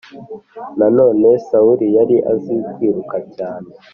Nanone Sawuli yari azi kwiruka cyane